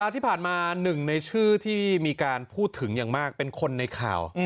ที่ผ่านมาหนึ่งในชื่อที่มีการพูดถึงอย่างมากเป็นคนในข่าว